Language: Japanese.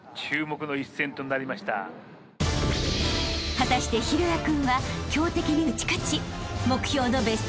［果たして大也君は強敵に打ち勝ち］